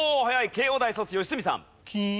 慶應大卒良純さん。